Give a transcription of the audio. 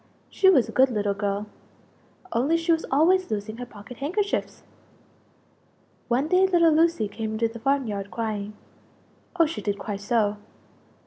She was a good little girl only she was always losing her pocket handkerchiefs! One day little Lucie came into the farm yard crying oh, she did cry so!